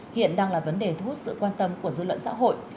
hiện đang là vấn đề thu hút sự quan tâm của dư luận xã hội